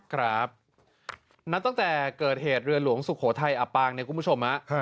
ครับนัดตั้งแต่เกิดเหตุเรือหลวงสุโขทัยอับปางเนี่ยคุณผู้ชมฮะ